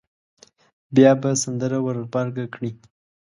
بیا به سندره ور غبرګه کړي.